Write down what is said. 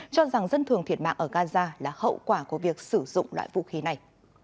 cho rằng dân thường thiệt mạng ở gaza là hậu quả của việc sử dụng loại vũ khí này